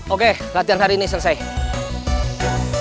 oke latihan hari ini selesai